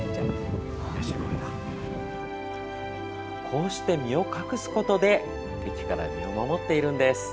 こうして身を隠すことで敵から身を守っているんです。